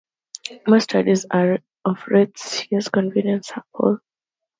Most studies of rates use a convenience sample.